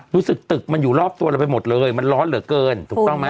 รู้สึกตึกมันอยู่รอบตัวเราไปหมดเลยมันร้อนเหลือเกินถูกต้องไหม